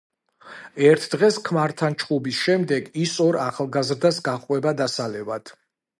ერთ დღეს ქმართან ჩხუბის შემდეგ ის ორ ახალგაზრდას გაჰყვება დასალევად.